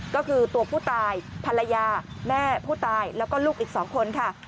ก็คือตัวผู้ตายภรรยาแม่ผู้ตายแล้วก็ลูกอีก๒คนค่ะ